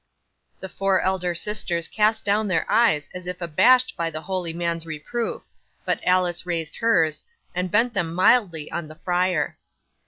'The four elder sisters cast down their eyes as if abashed by the holy man's reproof, but Alice raised hers, and bent them mildly on the friar.